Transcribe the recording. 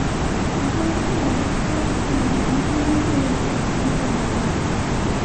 আপনার স্ত্রী অসুস্থ এবং আমার মনে হচ্ছে এই অসুখ দ্রুত বেড়ে যাবে।